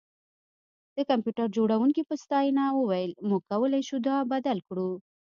د کمپیوټر جوړونکي په ستاینه وویل موږ کولی شو دا بدل کړو